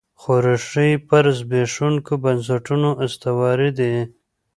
خو ریښې یې پر زبېښونکو بنسټونو استوارې دي.